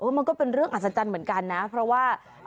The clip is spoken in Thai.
มันก็เป็นเรื่องอัศจรรย์เหมือนกันนะเพราะว่า